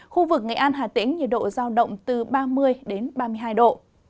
khu vực nghệ an hà tĩnh nhiệt độ giao động từ ba mươi đến ba mươi hai độ